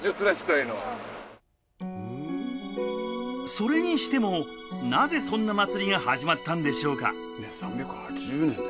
それにしてもなぜそんな祭りが始まったんでしょうか？